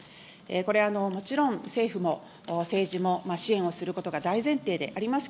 これ、もちろん、政府も政治も支援をすることが大前提であります